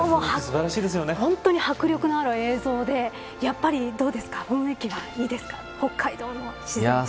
本当に迫力のある映像でどうですか、雰囲気はいいですか北海道の自然。